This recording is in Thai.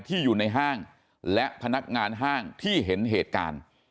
ที่อยู่ในห้างและพนักงานห้างที่เห็นเหตุการณ์